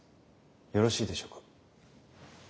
よろしいでしょうか？